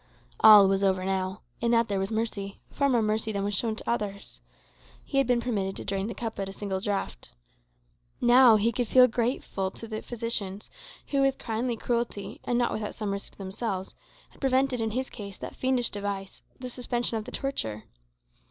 All was over now. In that there was mercy far more mercy than was shown to others. He had been permitted to drain the cup at a single draught. Now he could feel grateful to the physicians, who with truly kind cruelty (and not without some risk to themselves) had prevented, in his case, that fiendish device, "the suspension of the torture."